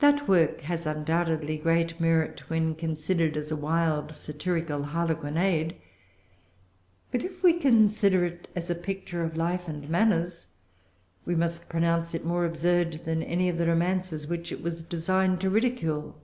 That work has undoubtedly great merit, when considered as a wild satirical harlequinade; but, if we consider it as a picture of life and manners, we must pronounce it more absurd than any of the romances which it was designed to ridicule.